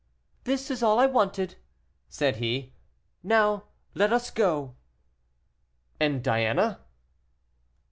"This is all I wanted," said he; "so now let us go." "And Diana?"